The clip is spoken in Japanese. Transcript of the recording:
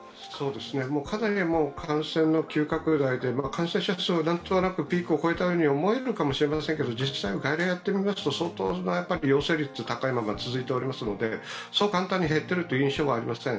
かなり感染の急拡大で感染者数が何となくピーク越えたように思えるかもしれないですけれども、実際、外来をやっていますと相当な陽性率が高いままで続いておりますのでそう簡単に減っているという印象はありません。